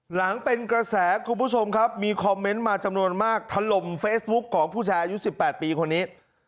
หลังเป็นกระแสคุณผู้ชมครับมีคอมเมนต์มาจำนวนมากถล่มเฟซบุ๊คของผู้ชายอายุ๑๘ปีคนนี้